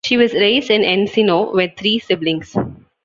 She was raised in Encino with three siblings.